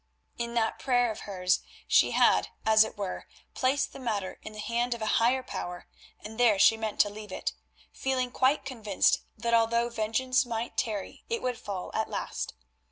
In that prayer of hers she had, as it were, placed the matter in the hand of a higher Power, and there she meant to leave it, feeling quite convinced that although vengeance might tarry it would fall at last.